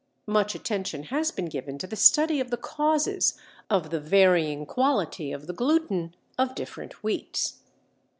Much attention has been given to the study of the causes of the varying quality of the gluten of different wheats.